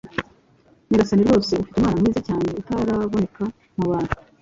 Nyagasani rwose ufite umwana mwiza cyane utaraboneka mu bantu!"